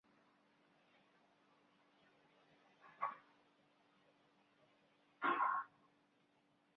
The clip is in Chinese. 太原街站为地下岛式站台。